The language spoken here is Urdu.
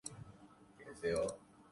میرا جی متلا رہا ہے